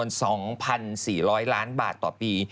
๔ล้อยล้านบาทต่อปี